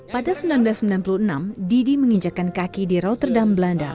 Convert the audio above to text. pada seribu sembilan ratus sembilan puluh enam didi menginjakan kaki di rauterdam belanda